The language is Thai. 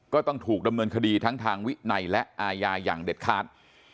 ต้องถูกดำเนินคดีทั้งทางวินัยและอาญาอย่างเด็ดขาด